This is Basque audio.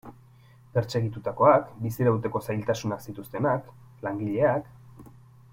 Pertsegitutakoak, bizirauteko zailtasunak zituztenak, langileak...